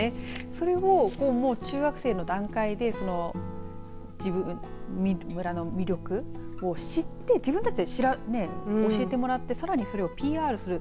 それを中学生の段階で自分の村の魅力を知って、自分たちで教えてもらってさらにそれをＰＲする。